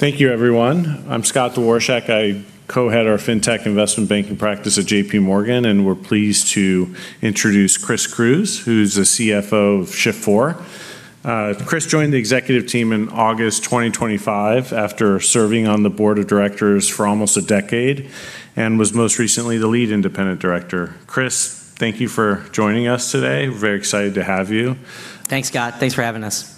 Thank you everyone. I'm Scott Dworshak. I Co-Head our Fintech Investment Banking practice at JPMorgan, and we're pleased to introduce Chris Cruz, who's the CFO of Shift4. Chris joined the executive team in August 2025 after serving on the Board of Directors for almost a decade, and was most recently the Lead Independent Director. Chris, thank you for joining us today. We're very excited to have you. Thanks, Scott. Thanks for having us.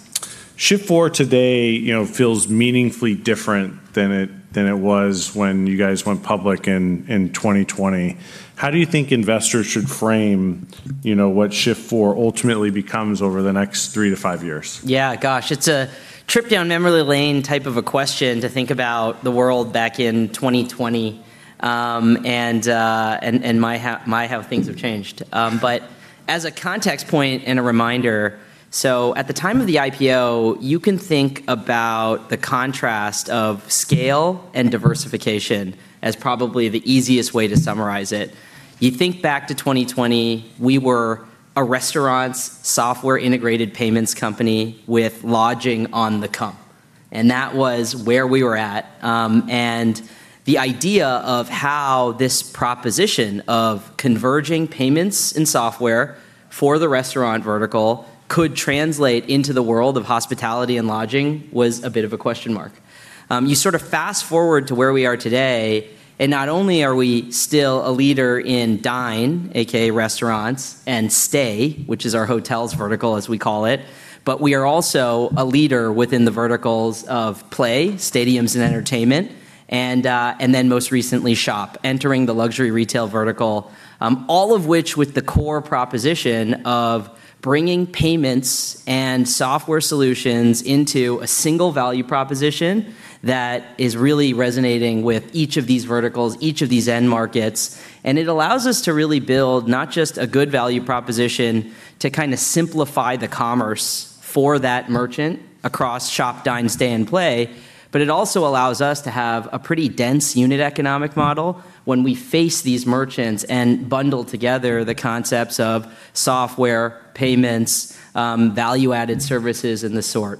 Shift4 today, you know, feels meaningfully different than it, than it was when you guys went public in 2020. How do you think investors should frame, you know, what Shift4 ultimately becomes over the next 3-5 years? Yeah, gosh, it's a trip down memory lane type of a question to think about the world back in 2020, and my how things have changed. As a context point and a reminder, at the time of the IPO, you can think about the contrast of scale and diversification as probably the easiest way to summarize it. You think back to 2020, we were a restaurant software integrated payments company with lodging on the come, and that was where we were at. The idea of how this proposition of converging payments and software for the restaurant vertical could translate into the world of hospitality and lodging was a bit of a question mark. You sort of fast-forward to where we are today, and not only are we still a leader in Dine, AKA restaurants, and Stay, which is our hotels vertical as we call it, but we are also a leader within the verticals of Play, stadiums and entertainment, and then most recently Shop, entering the luxury retail vertical. All of which with the core proposition of bringing payments and software solutions into a single value proposition that is really resonating with each of these verticals, each of these end markets. It allows us to really build not just a good value proposition to kinda simplify the commerce for that merchant across Shop, Dine, Stay and Play, but it also allows us to have a pretty dense unit economic model when we face these merchants and bundle together the concepts of software, payments, value-added services and the sort.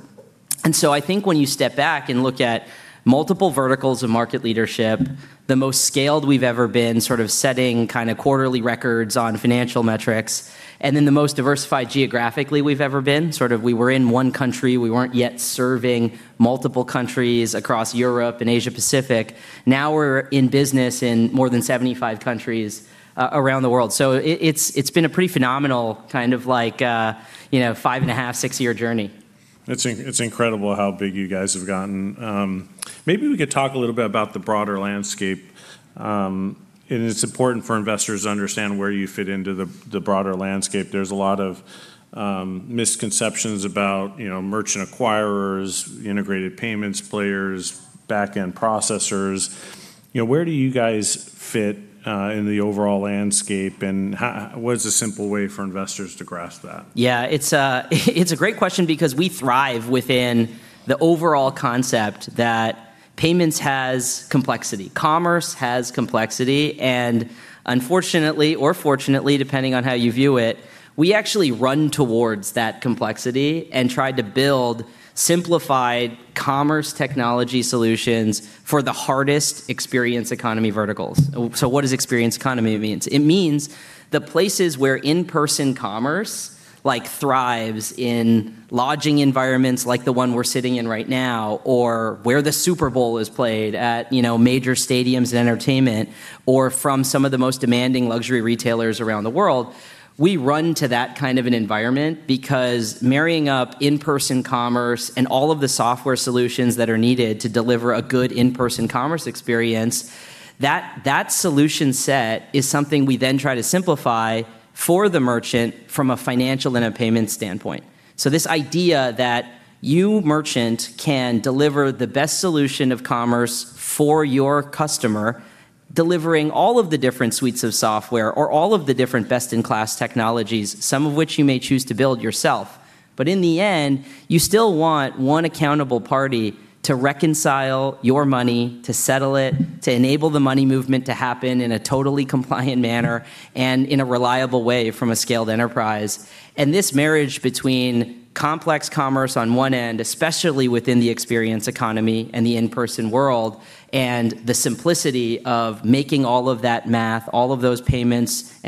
I think when you step back and look at multiple verticals of market leadership, the most scaled we've ever been sort of setting kinda quarterly records on financial metrics, and then the most diversified geographically we've ever been. Sort of we were in one country, we weren't yet serving multiple countries across Europe and Asia-Pacific. Now we're in business in more than 75 countries around the world. It's been a pretty phenomenal kind of like, you know, five and a half, six-year journey. It's incredible how big you guys have gotten. Maybe we could talk a little bit about the broader landscape. It's important for investors to understand where you fit into the broader landscape. There's a lot of misconceptions about, you know, merchant acquirers, integrated payments players, back-end processors. You know, where do you guys fit in the overall landscape, and how, what is a simple way for investors to grasp that? Yeah, it's a great question because we thrive within the overall concept that payments has complexity. Commerce has complexity, unfortunately or fortunately, depending on how you view it, we actually run towards that complexity and try to build simplified commerce technology solutions for the hardest experience economy verticals. What does experience economy means? It means the places where in-person commerce like thrives in lodging environments like the one we're sitting in right now, or where the Super Bowl is played at, you know, major stadiums and entertainment, or from some of the most demanding luxury retailers around the world. We run to that kind of an environment because marrying up in-person commerce and all of the software solutions that are needed to deliver a good in-person commerce experience, that solution set is something we then try to simplify for the merchant from a financial and a payment standpoint. This idea that you merchant can deliver the best solution of commerce for your customer, delivering all of the different suites of software or all of the different best-in-class technologies, some of which you may choose to build yourself. In the end, you still want one accountable party to reconcile your money, to settle it, to enable the money movement to happen in a totally compliant manner and in a reliable way from a scaled enterprise. This marriage between complex commerce on one end, especially within the experience economy and the in-person world, and the simplicity of making all of that math, all of those payments,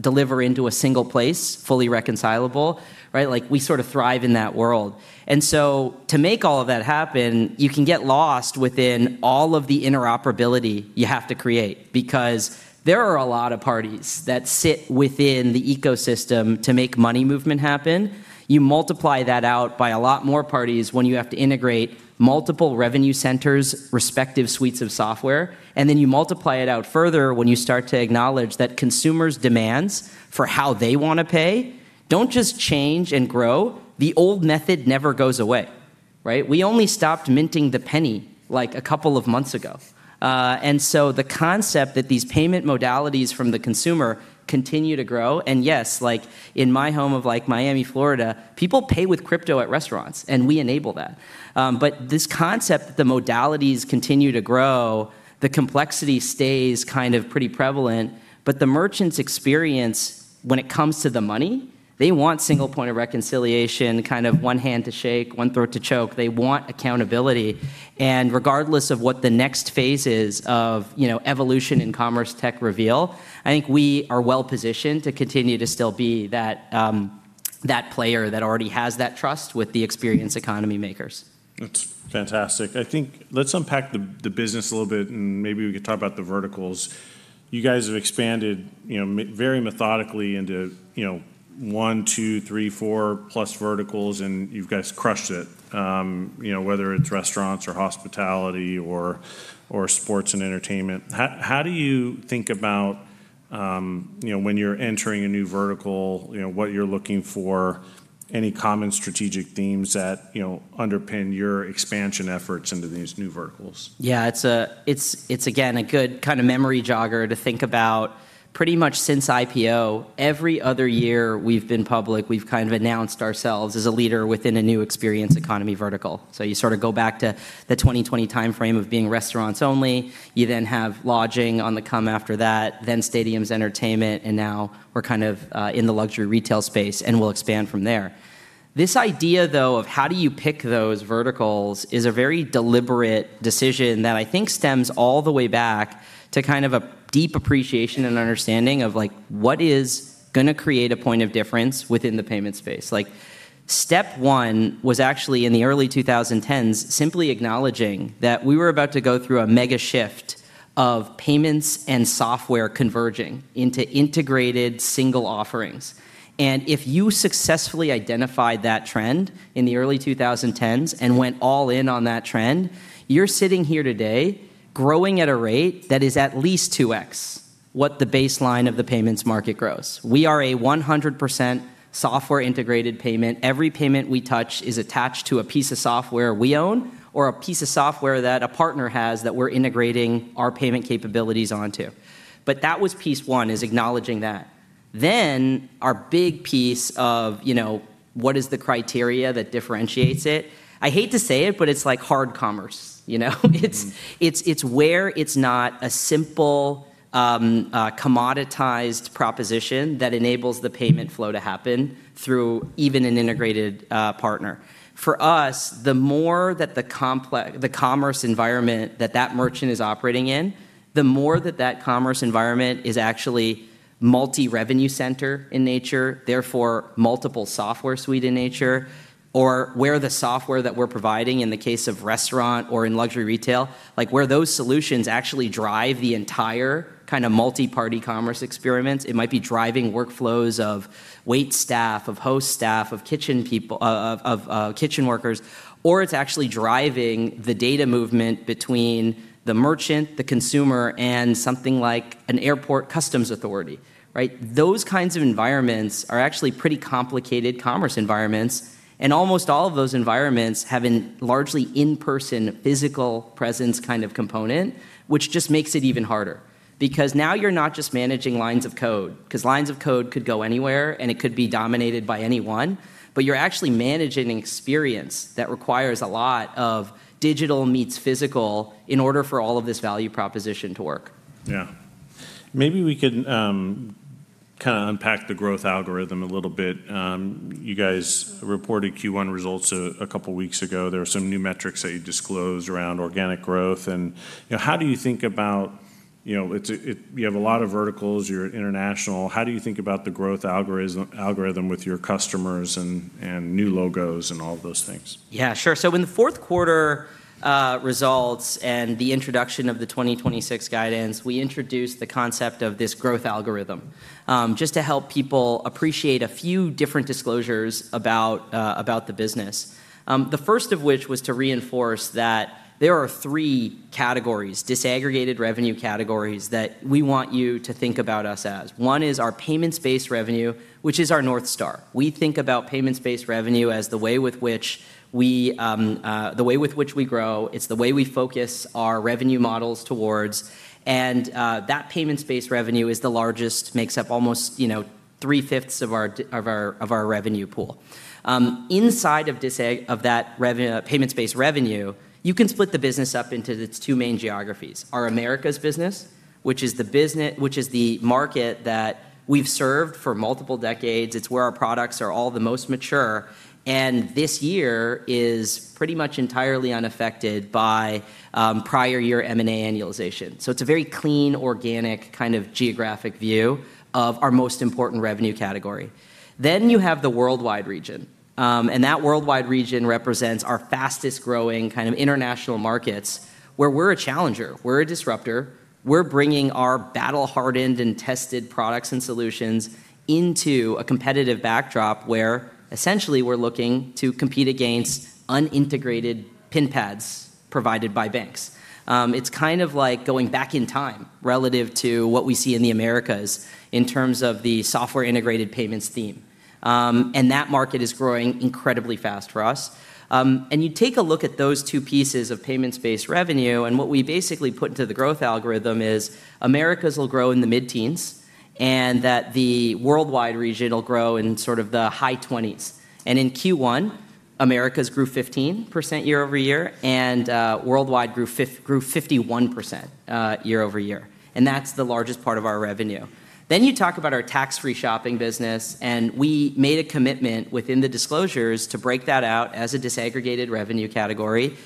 deliver into a single place, fully reconcilable, right? Like we sort of thrive in that world. To make all of that happen, you can get lost within all of the interoperability you have to create because there are a lot of parties that sit within the ecosystem to make money movement happen. You multiply that out by a lot more parties when you have to integrate multiple revenue centers, respective suites of software, and then you multiply it out further when you start to acknowledge that consumers' demands for how they want to pay don't just change and grow. The old method never goes away, right? We only stopped minting the penny like a couple months ago. The concept that these payment modalities from the consumer continue to grow, and yes, like in my home of like Miami, Florida, people pay with crypto at restaurants, and we enable that. This concept, the modalities continue to grow, the complexity stays kind of pretty prevalent, but the merchant's experience when it comes to the money. They want single point of reconciliation, kind of one hand to shake, 1 throat to choke. They want accountability. Regardless of what the next phase is of, you know, evolution in commerce technology reveal, I think we are well-positioned to continue to still be that player that already has that trust with the experience economy makers. That's fantastic. I think let's unpack the business a little bit, and maybe we could talk about the verticals. You guys have expanded, you know, very methodically into, you know, one, two, three, 4+ verticals, and you've guys crushed it. You know, whether it's restaurants or hospitality or sports and entertainment. How do you think about, you know, when you're entering a new vertical, you know, what you're looking for, any common strategic themes that, you know, underpin your expansion efforts into these new verticals? Yeah, it's a, it's again a good kinda memory jogger to think about pretty much since IPO, every other year we've been public, we've kind of announced ourselves as a leader within a new experience economy vertical. You sorta go back to the 2020 timeframe of being restaurants only. You then have lodging on the come after that, then stadiums, entertainment, and now we're kind of in the luxury retail space and we'll expand from there. This idea, though, of how do you pick those verticals is a very deliberate decision that I think stems all the way back to kind of a deep appreciation and understanding of, like, what is gonna create a point of difference within the payment space. Like, step one was actually in the early 2010s simply acknowledging that we were about to go through a mega shift of payments and software converging into integrated single offerings. If you successfully identified that trend in the early 2010s and went all in on that trend, you're sitting here today growing at a rate that is at least 2X what the baseline of the payments market grows. We are a 100% software integrated payment. Every payment we touch is attached to a piece of software we own or a piece of software that a partner has that we're integrating our payment capabilities onto. That was piece 1, is acknowledging that. Our big piece of, you know, what is the criteria that differentiates it, I hate to say it, but it's like hard commerce, you know? It's where it's not a simple, commoditized proposition that enables the payment flow to happen through even an integrated partner. For us, the more that the commerce environment that that merchant is operating in, the more that that commerce environment is actually multi-revenue center in nature, therefore multiple software suite in nature, or where the software that we're providing in the case of restaurant or in luxury retail, like where those solutions actually drive the entire kind of multi-party commerce experiences, it might be driving workflows of wait staff, of host staff, of kitchen people, of kitchen workers, or it's actually driving the data movement between the merchant, the consumer, and something like an airport customs authority, right? Those kinds of environments are actually pretty complicated commerce environments, and almost all of those environments have an largely in-person physical presence kind of component, which just makes it even harder. Now you're not just managing lines of code, 'cause lines of code could go anywhere, and it could be dominated by anyone, but you're actually managing an experience that requires a lot of digital meets physical in order for all of this value proposition to work. Maybe we can kinda unpack the growth algorithm a little bit. You guys reported Q1 results a couple weeks ago. There were some new metrics that you disclosed around organic growth. You know, how do you think about, you know, you have a lot of verticals, you're international. How do you think about the growth algorithm with your customers and new logos and all of those things? Yeah, sure. In the fourth quarter, results and the introduction of the 2026 guidance, we introduced the concept of this growth algorithm, just to help people appreciate a few different disclosures about the business. The first of which was to reinforce that there are three categories, disaggregated revenue categories, that we want you to think about us as. One is our payments-based revenue, which is our North Star. We think about payments-based revenue as the way with which we grow. It's the way we focus our revenue models towards. That payments-based revenue is the largest, makes up almost, you know, 3/5 of our revenue pool. Inside of that payments-based revenue, you can split the business up into its two main geographies. Our Americas business, which is the market that we've served for multiple decades. It's where our products are all the most mature. This year is pretty much entirely unaffected by prior year M&A annualization. It's a very clean, organic kind of geographic view of our most important revenue category. You have the worldwide region. That worldwide region represents our fastest growing kind of international markets, where we're a challenger, we're a disruptor. We're bringing our battle-hardened and tested products and solutions into a competitive backdrop where essentially we're looking to compete against unintegrated PIN pads provided by banks. It's kind of like going back in time relative to what we see in the Americas in terms of the software integrated payments theme. That market is growing incredibly fast for us. You take a look at those two pieces of payments-based revenue, and what we basically put into the growth algorithm is Americas will grow in the mid-teens, and that the worldwide region will grow in sort of the high 20s. In Q1 Americas grew 15% year-over-year, and worldwide grew 51% year-over-year. That's the largest part of our revenue. You talk about our tax-free shopping business, and we made a commitment within the disclosures to break that out as a disaggregated revenue category,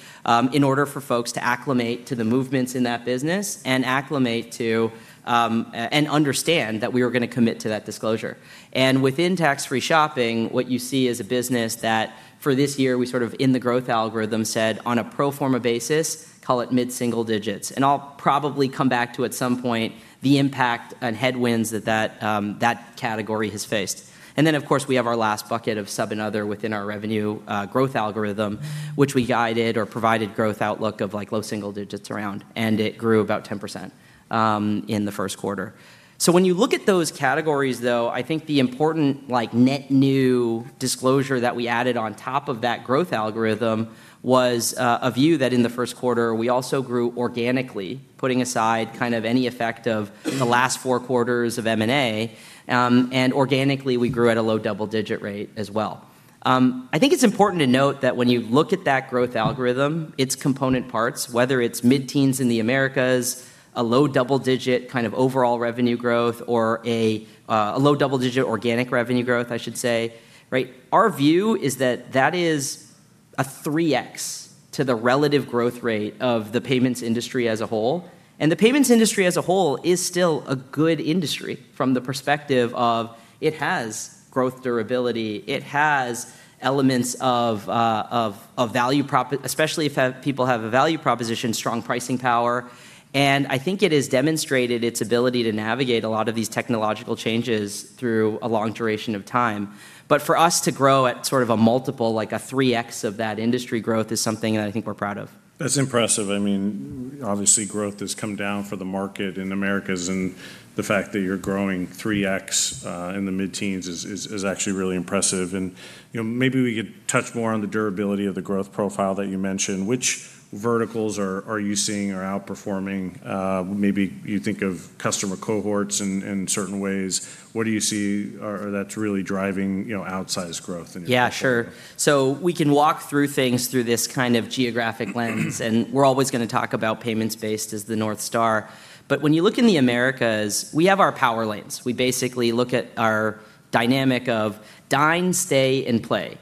in order for folks to acclimate to the movements in that business and acclimate to and understand that we were gonna commit to that disclosure. Within tax-free shopping, what you see is a business that for this year we sort of in the growth algorithm said on a pro forma basis, call it mid-single-digits. I'll probably come back to at some point the impact and headwinds that category has faced. Of course, we have our last bucket of sub and other within our revenue growth algorithm, which we guided or provided growth outlook of like low single-digits around, and it grew about 10% in the first quarter. When you look at those categories though, I think the important like net new disclosure that we added on top of that growth algorithm was a view that in the first quarter we also grew organically, putting aside kind of any effect of the last four quarters of M&A, and organically we grew at a low double-digit rate as well. I think it's important to note that when you look at that growth algorithm, its component parts, whether it's mid-teens in the Americas, a low double-digit kind of overall revenue growth or a low double-digit organic revenue growth, I should say, right? Our view is that that is a 3X to the relative growth rate of the payments industry as a whole. The payments industry as a whole is still a good industry from the perspective of it has growth durability, it has elements of value proposition, strong pricing power. I think it has demonstrated its ability to navigate a lot of these technological changes through a long duration of time. For us to grow at sort of a multiple, like a 3X of that industry growth is something that I think we're proud of. That's impressive. I mean, obviously growth has come down for the market in Americas, and the fact that you're growing 3X in the mid-teens is actually really impressive. You know, maybe we could touch more on the durability of the growth profile that you mentioned. Which verticals are you seeing are outperforming? Maybe you think of customer cohorts in certain ways. What do you see are that's really driving, you know, outsized growth in your portfolio? Yeah, sure. We can walk through things through this kind of geographic lens. We're always gonna talk about payments-based as the North Star. When you look in the Americas, we have our power lanes. We basically look at our dynamic of Dine, Stay, and Play.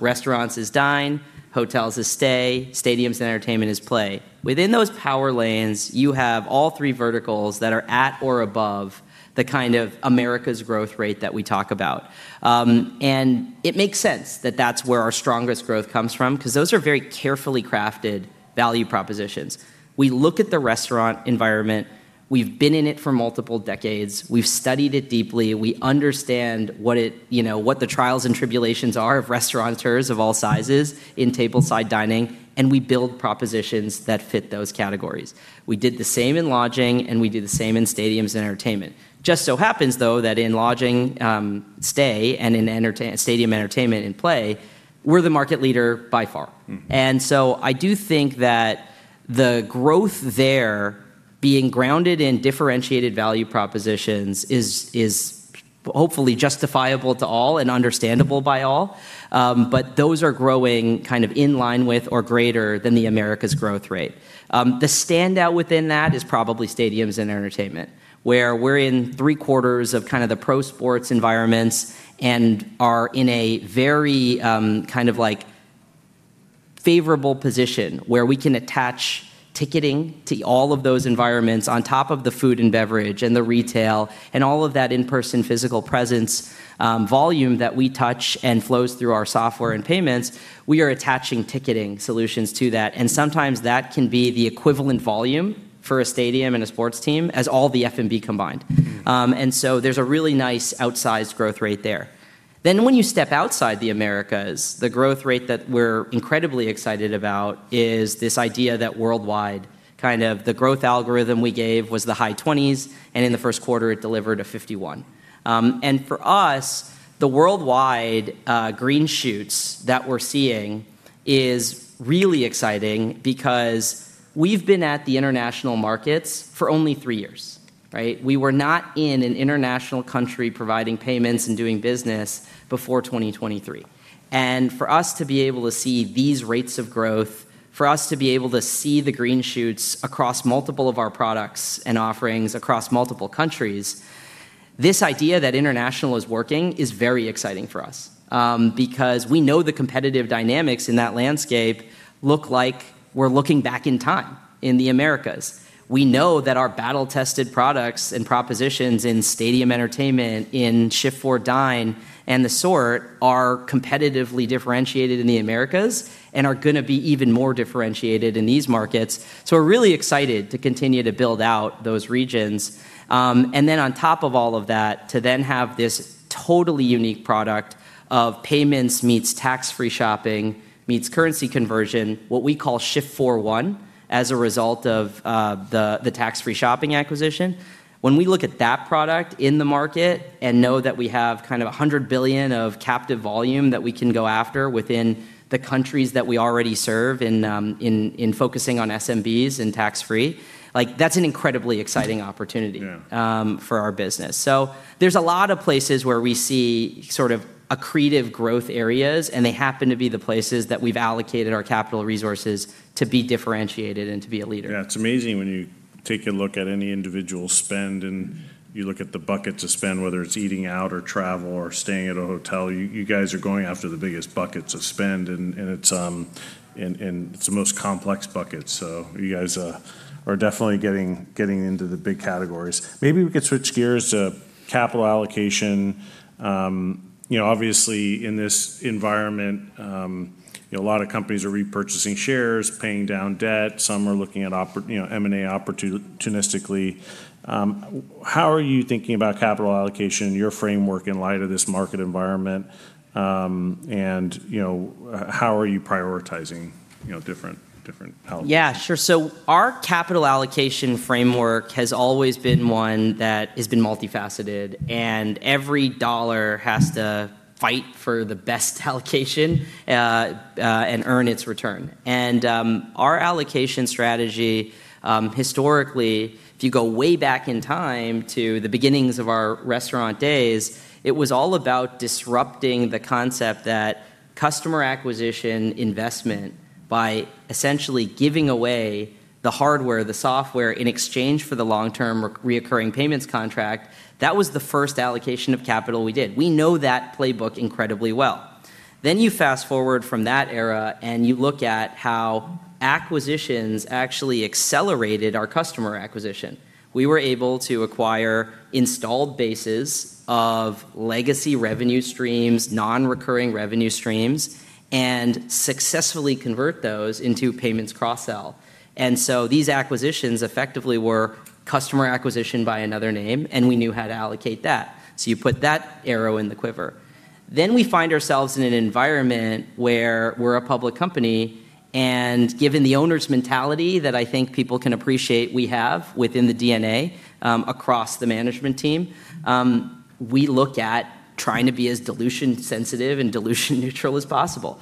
Restaurants is Dine, hotels is Stay, stadiums and entertainment is Play. Within those power lanes, you have all three verticals that are at or above the kind of Americas growth rate that we talk about. It makes sense that that's where our strongest growth comes from 'cause those are very carefully crafted value propositions. We look at the restaurant environment, we've been in it for multiple decades, we've studied it deeply, we understand what it, you know, what the trials and tribulations are of restaurateurs of all sizes in tableside dining. We build propositions that fit those categories. We did the same in lodging. We did the same in stadiums and entertainment. Just so happens though, that in lodging, Stay and in stadium entertainment and Play, we're the market leader by far. I do think that the growth there being grounded in differentiated value propositions is hopefully justifiable to all and understandable by all. Those are growing kind of in line with or greater than the Americas growth rate. The standout within that is probably stadiums and entertainment, where we're in three quarters of kinda the pro sports environments and are in a very kind of like favorable position where we can attach ticketing to all of those environments on top of the food and beverage and the retail and all of that in-person physical presence, volume that we touch and flows through our software and payments, we are attaching ticketing solutions to that. Sometimes that can be the equivalent volume for a stadium and a sports team as all the F&B combined. There's a really nice outsized growth rate there. When you step outside the Americas, the growth rate that we're incredibly excited about is this idea that Worldwide, kind of the growth algorithm we gave was the high 20s, and in the first quarter it delivered a 51%. For us, the Worldwide green shoots that we're seeing is really exciting because we've been at the international markets for only three years, right? We were not in an international country providing payments and doing business before 2023. For us to be able to see these rates of growth, for us to be able to see the green shoots across multiple of our products and offerings across multiple countries, this idea that international is working is very exciting for us. Because we know the competitive dynamics in that landscape look like we're looking back in time in the Americas. We know that our battle-tested products and propositions in stadium entertainment, in Shift4 Dine and the sort are competitively differentiated in the Americas and are gonna be even more differentiated in these markets. We're really excited to continue to build out those regions. On top of all of that, to then have this totally unique product of payments meets tax-free shopping, meets currency conversion, what we call Shift4 One as a result of the tax-free shopping acquisition. When we look at that product in the market and know that we have kind of $100 billion of captive volume that we can go after within the countries that we already serve in, focusing on SMBs and tax-free, like that's an incredibly exciting opportunity. Yeah For our business. There's a lot of places where we see sort of accretive growth areas, and they happen to be the places that we've allocated our capital resources to be differentiated and to be a leader. Yeah. It's amazing when you take a look at any individual spend, and you look at the bucket to spend, whether it's eating out or travel or staying at a hotel, you guys are going after the biggest buckets of spend, and it's, and it's the most complex bucket. You guys are definitely getting into the big categories. Maybe we could switch gears to capital allocation. You know, obviously in this environment, you know, a lot of companies are repurchasing shares, paying down debt, some are looking at you know, M&A opportunistically. How are you thinking about capital allocation, your framework in light of this market environment? You know, how are you prioritizing, you know, different elements? Yeah, sure. Our capital allocation framework has always been one that has been multifaceted, and every dollar has to fight for the best allocation and earn its return. Our allocation strategy historically, if you go way back in time to the beginnings of our restaurant days, it was all about disrupting the concept that customer acquisition investment by essentially giving away the hardware, the software, in exchange for the long-term reoccurring payments contract, that was the first allocation of capital we did. We know that playbook incredibly well. You fast-forward from that era, and you look at how acquisitions actually accelerated our customer acquisition. We were able to acquire installed bases of legacy revenue streams, non-recurring revenue streams, and successfully convert those into payments cross-sell. These acquisitions effectively were customer acquisition by another name, and we knew how to allocate that. You put that arrow in the quiver. We find ourselves in an environment where we're a public company, and given the owner's mentality that I think people can appreciate we have within the DNA, across the management team, we look at trying to be as dilution sensitive and dilution neutral as possible.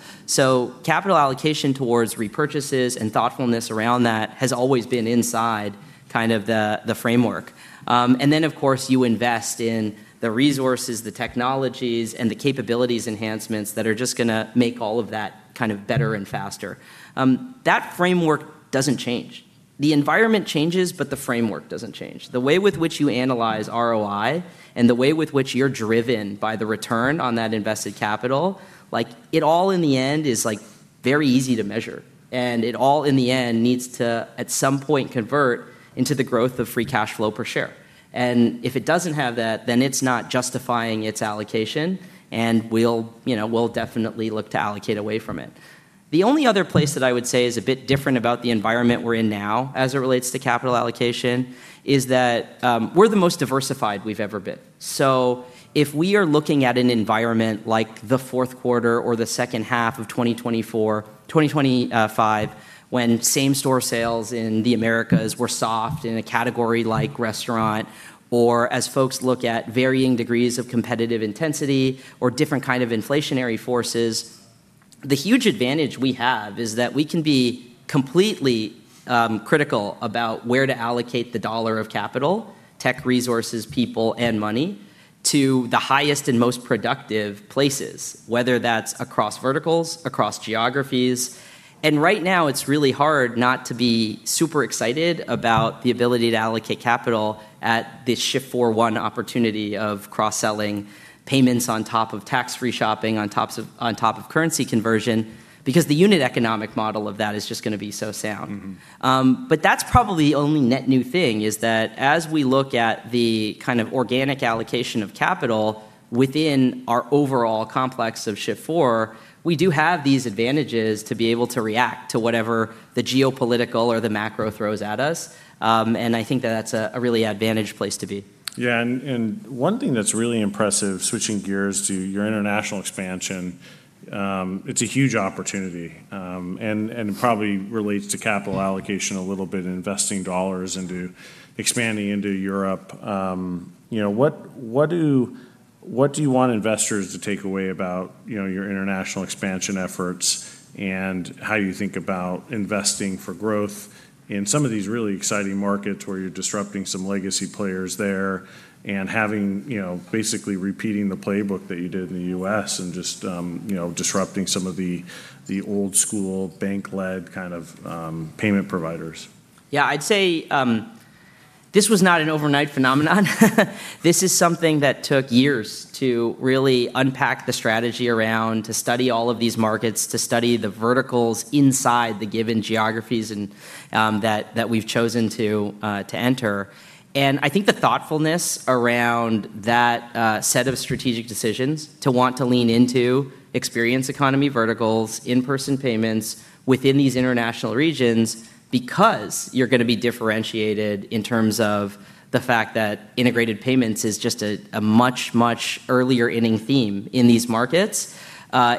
Capital allocation towards repurchases and thoughtfulness around that has always been inside kind of the framework. Of course, you invest in the resources, the technologies, and the capabilities enhancements that are just gonna make all of that kind of better and faster. That framework doesn't change. The environment changes, but the framework doesn't change. The way with which you analyze ROI and the way with which you're driven by the return on that invested capital, like it all in the end is like very easy to measure, it all in the end needs to at some point convert into the growth of free cash flow per share. If it doesn't have that, then it's not justifying its allocation, we'll, you know, definitely look to allocate away from it. The only other place that I would say is a bit different about the environment we're in now as it relates to capital allocation is that, we're the most diversified we've ever been. If we are looking at an environment like the fourth quarter or the second half of 2024-2025, when same-store sales in the Americas were soft in a category like restaurant, or as folks look at varying degrees of competitive intensity or different kind of inflationary forces, the huge advantage we have is that we can be completely critical about where to allocate the dollar of capital, tech resources, people, and money to the highest and most productive places, whether that's across verticals, across geographies. Right now it's really hard not to be super excited about the ability to allocate capital at this Shift4 One opportunity of cross-selling payments on top of tax-free shopping, on top of currency conversion, because the unit economic model of that is just gonna be so sound. That's probably the only net new thing is that as we look at the kind of organic allocation of capital within our overall complex of Shift4, we do have these advantages to be able to react to whatever the geopolitical or the macro throws at us. I think that that's a really advantaged place to be. Yeah. One thing that's really impressive, switching gears to your international expansion, it's a huge opportunity. It probably relates to capital allocation a little bit and investing dollars into expanding into Europe. You know, what do you want investors to take away about your international expansion efforts and how you think about investing for growth in some of these really exciting markets where you're disrupting some legacy players there and having, you know, basically repeating the playbook that you did in the U.S. and just, you know, disrupting some of the old school bank-led kind of payment providers? Yeah. I'd say this was not an overnight phenomenon. This is something that took years to really unpack the strategy around, to study all of these markets, to study the verticals inside the given geographies and that we've chosen to enter. I think the thoughtfulness around that set of strategic decisions to want to lean into experience economy verticals, in-person payments within these international regions because you're gonna be differentiated in terms of the fact that integrated payments is just a much earlier inning theme in these markets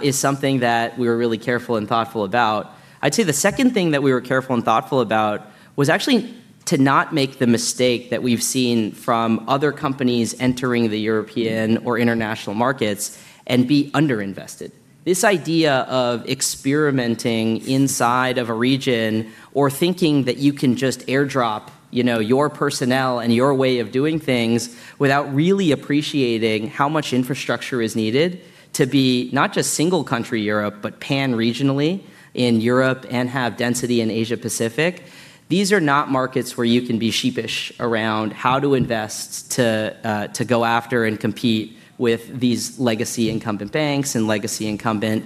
is something that we were really careful and thoughtful about. I'd say the second thing that we were careful and thoughtful about was actually to not make the mistake that we've seen from other companies entering the European or international markets and be under-invested. This idea of experimenting inside of a region or thinking that you can just airdrop, you know, your personnel and your way of doing things without really appreciating how much infrastructure is needed to be not just single country Europe, but pan-regionally in Europe and have density in Asia Pacific, these are not markets where you can be sheepish around how to invest to go after and compete with these legacy incumbent banks and legacy incumbent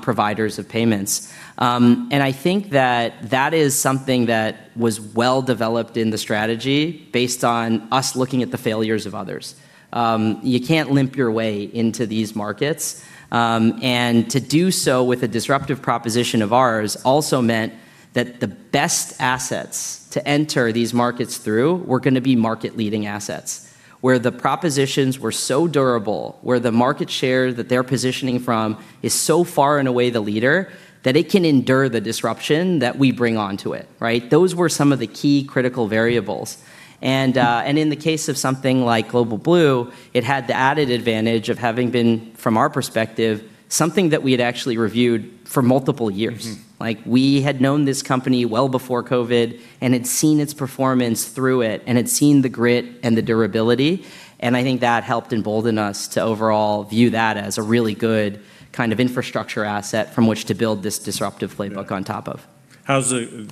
providers of payments. I think that that is something that was well-developed in the strategy based on us looking at the failures of others. You can't limp your way into these markets. to do so with a disruptive proposition of ours also meant that the best assets to enter these markets through were gonna be market leading assets, where the propositions were so durable, where the market share that they're positioning from is so far and away the leader that it can endure the disruption that we bring onto it, right? Those were some of the key critical variables. In the case of something like Global Blue, it had the added advantage of having been, from our perspective, something that we had actually reviewed for multiple years. Like, we had known this company well before COVID and had seen its performance through it and had seen the grit and the durability, and I think that helped embolden us to overall view that as a really good kind of infrastructure asset from which to build this disruptive playbook on top of.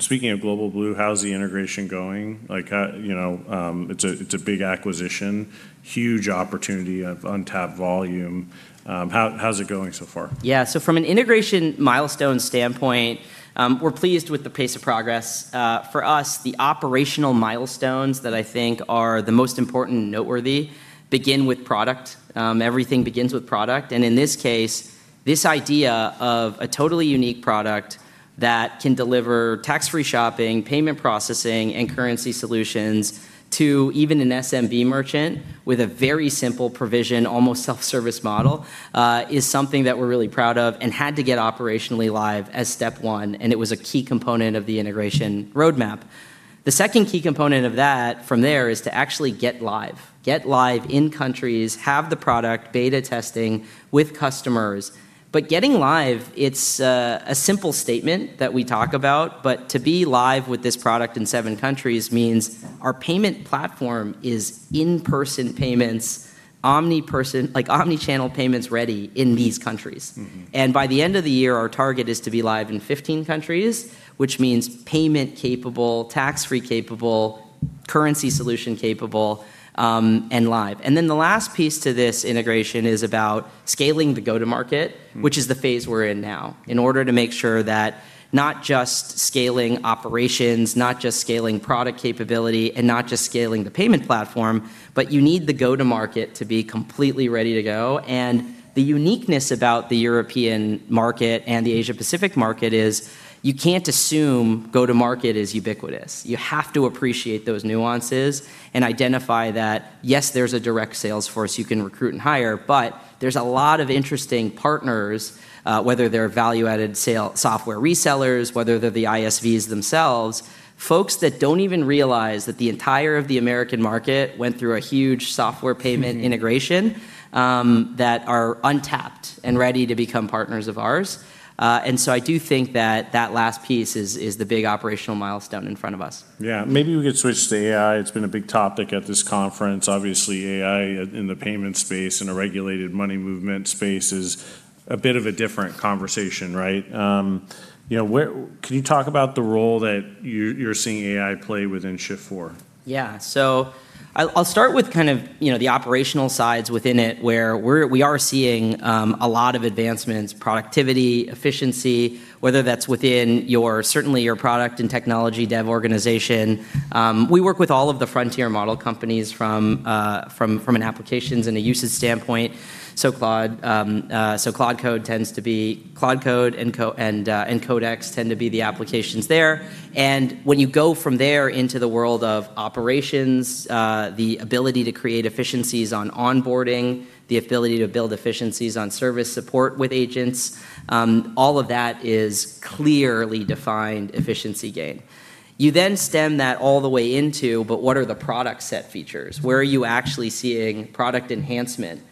Speaking of Global Blue, how's the integration going? Like, you know, it's a big acquisition, huge opportunity of untapped volume. How's it going so far? Yeah. From an integration milestone standpoint, we're pleased with the pace of progress. For us, the operational milestones that I think are the most important and noteworthy begin with product. Everything begins with product. In this case, this idea of a totally unique product that can deliver tax-free shopping, payment processing, and currency solutions to even an SMB merchant with a very simple provision, almost self-service model, is something that we're really proud of and had to get operationally live as step one, and it was a key component of the integration roadmap. The second key component of that from there is to actually get live. Get live in countries, have the product beta testing with customers. Getting live, it's a simple statement that we talk about, to be live with this product in seven countries means our payment platform is in-person payments, omnichannel payments ready in these countries. By the end of the year, our target is to be live in 15 countries, which means payment capable, tax-free capable, currency solution capable, and live. The last piece to this integration is about scaling the go-to-market. which is the phase we're in now, in order to make sure that not just scaling operations, not just scaling product capability, and not just scaling the payment platform, but you need the go-to-market to be completely ready to go. The uniqueness about the European market and the Asia Pacific market is you can't assume go-to-market is ubiquitous. You have to appreciate those nuances and identify that, yes, there's a direct sales force you can recruit and hire, but there's a lot of interesting partners, whether they're value-added software resellers, whether they're the ISVs themselves, folks that don't even realize that the entire of the American market went through a huge software payment integration- That are untapped and ready to become partners of ours. I do think that that last piece is the big operational milestone in front of us. Yeah. Maybe we could switch to AI. It has been a big topic at this conference. Obviously, AI in the payment space, in a regulated money movement space is a bit of a different conversation, right? You know, can you talk about the role that you're seeing AI play within Shift4? I'll start with kind of, you know, the operational sides within it where we are seeing a lot of advancements, productivity, efficiency, whether that's within your, certainly your product and technology dev organization. We work with all of the frontier model companies from an applications and a usage standpoint. Claude. Claude Code and Codex tend to be the applications there. When you go from there into the world of operations, the ability to create efficiencies on onboarding, the ability to build efficiencies on service support with agents, all of that is clearly defined efficiency gain. You then stem that all the way into. What are the product set features? Where are you actually seeing product enhancement?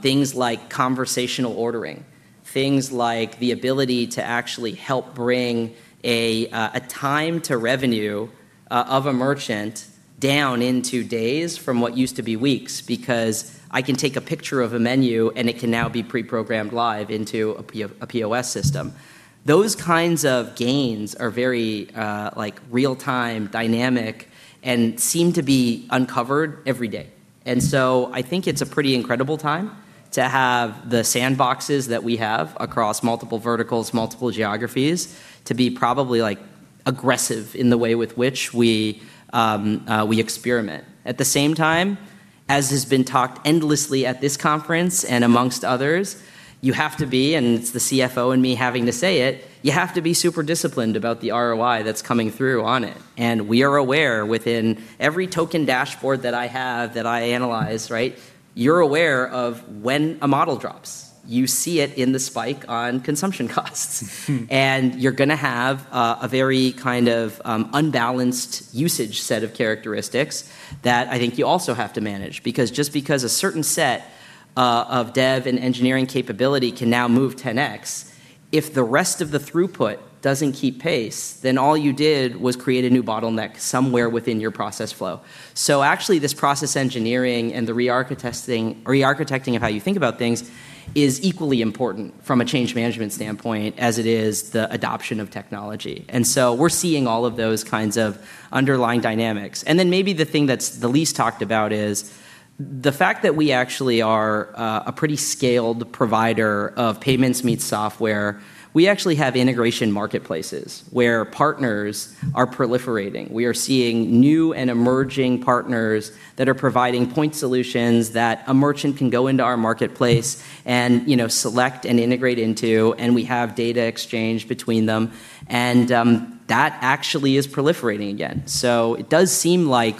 Things like conversational ordering, things like the ability to actually help bring a time to revenue of a merchant down into days from what used to be weeks, because I can take a picture of a menu and it can now be pre-programmed live into a POS system. Those kinds of gains are very, like, real-time, dynamic, and seem to be uncovered every day. I think it's a pretty incredible time to have the sandboxes that we have across multiple verticals, multiple geographies, to be probably, like, aggressive in the way with which we experiment. At the same time, as has been talked endlessly at this conference and amongst others, you have to be, and it's the CFO in me having to say it, you have to be super disciplined about the ROI that's coming through on it. We are aware within every token dashboard that I have that I analyze, right? You're aware of when a model drops. You see it in the spike on consumption costs. You're gonna have a very kind of unbalanced usage set of characteristics that I think you also have to manage. Because just because a certain set of dev and engineering capability can now move 10X-If the rest of the throughput doesn't keep pace, then all you did was create a new bottleneck somewhere within your process flow. Actually, this process engineering and the rearchitecting of how you think about things is equally important from a change management standpoint as it is the adoption of technology. We're seeing all of those kinds of underlying dynamics. Maybe the thing that's the least talked about is the fact that we actually are a pretty scaled provider of payments meet software. We actually have integration marketplaces where partners are proliferating. We are seeing new and emerging partners that are providing point solutions that a merchant can go into our marketplace and, you know, select and integrate into, and we have data exchange between them and that actually is proliferating again. It does seem like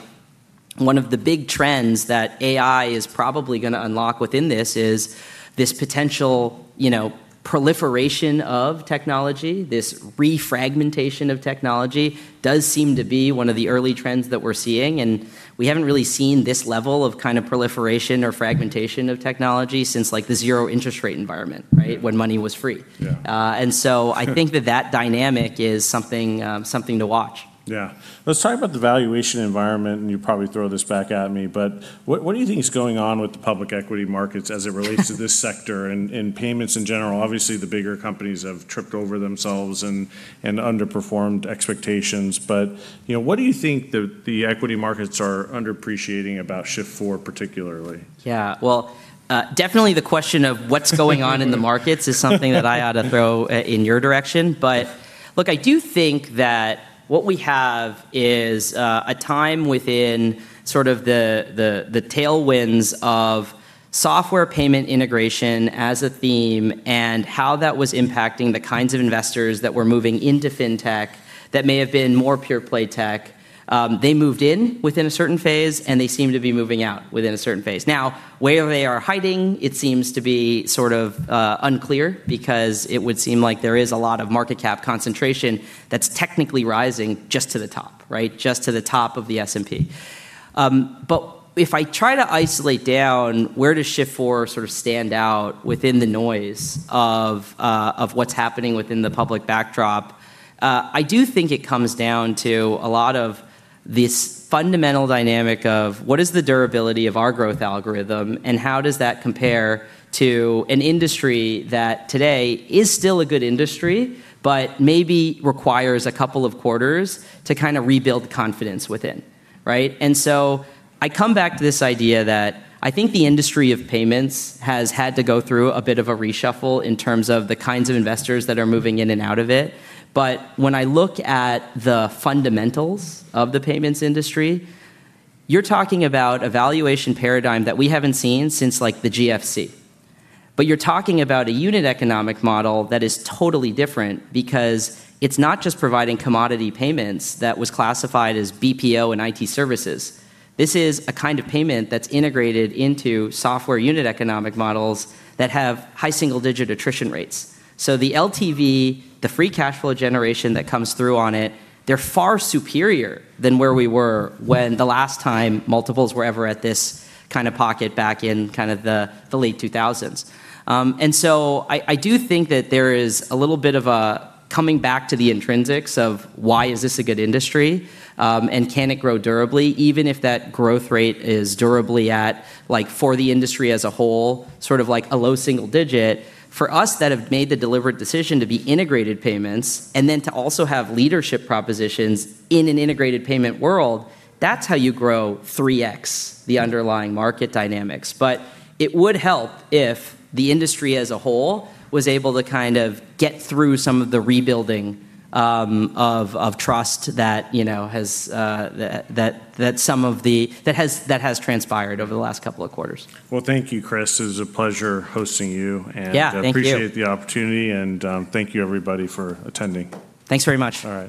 one of the big trends that AI is probably gonna unlock within this is this potential, you know, proliferation of technology. This refragmentation of technology does seem to be one of the early trends that we're seeing, and we haven't really seen this level of kind of proliferation or fragmentation of technology since like the zero interest rate environment, right? When money was free. Yeah. I think that that dynamic is something to watch. Yeah. Let's talk about the valuation environment, and you'll probably throw this back at me, but what do you think is going on with the public equity markets as it relates to this sector and payments in general? Obviously, the bigger companies have tripped over themselves and underperformed expectations, but, you know, what do you think the equity markets are underappreciating about Shift4 particularly? Well, definitely the question of what's going on in the markets is something that I ought to throw in your direction. Look, I do think that what we have is a time within sort of the tailwinds of software payment integration as a theme and how that was impacting the kinds of investors that were moving into fintech that may have been more pure play tech. They moved in within a certain phase, and they seem to be moving out within a certain phase. Now, where they are hiding, it seems to be sort of unclear because it would seem like there is a lot of market cap concentration that's technically rising just to the top, right? Just to the top of the S&P. If I try to isolate down where does Shift4 sort of stand out within the noise of what's happening within the public backdrop, I do think it comes down to a lot of this fundamental dynamic of what is the durability of our growth algorithm and how does that compare to an industry that today is still a good industry, but maybe requires a couple of quarters to kind of rebuild confidence within, right? I come back to this idea that I think the industry of payments has had to go through a bit of a reshuffle in terms of the kinds of investors that are moving in and out of it, but when I look at the fundamentals of the payments industry, you're talking about a valuation paradigm that we haven't seen since like the GFC. You're talking about a unit economic model that is totally different because it's not just providing commodity payments that was classified as BPO and IT services. This is a kind of payment that's integrated into software unit economic models that have high single digit attrition rates. The LTV, the free cash flow generation that comes through on it, they're far superior than where we were when the last time multiples were ever at this kind of pocket back in kind of the late 2000s. I do think that there is a little bit of a coming back to the intrinsics of why is this a good industry, and can it grow durably, even if that growth rate is durably at like for the industry as a whole, sort of like a low single digit. For us that have made the deliberate decision to be integrated payments and then to also have leadership propositions in an integrated payment world, that's how you grow 3x the underlying market dynamics. It would help if the industry as a whole was able to kind of get through some of the rebuilding of trust that, you know, has that has transpired over the last couple of quarters. Well, thank you, Chris. It was a pleasure hosting you. Yeah. Thank you. Appreciate the opportunity, and thank you everybody for attending. Thanks very much. All right.